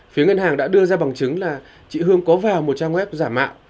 phía ngân hàng đã đưa ra bằng chứng là chị hương có vào một trang web giả mạo